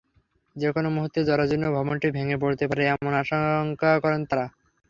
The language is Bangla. যেকোনো মুহূর্তে জরাজীর্ণ ভবনটি ভেঙে পড়তে পারে এমন আশঙ্কা করেন তাঁরা।